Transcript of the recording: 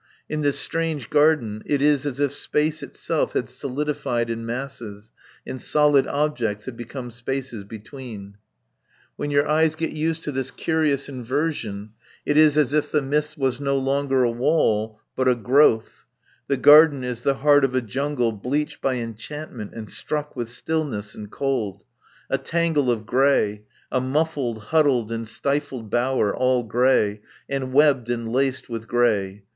In this strange garden it is as if space itself had solidified in masses, and solid objects had become spaces between. When your eyes get used to this curious inversion it is as if the mist was no longer a wall but a growth; the garden is the heart of a jungle bleached by enchantment and struck with stillness and cold; a tangle of grey; a muffled, huddled and stifled bower, all grey, and webbed and laced with grey.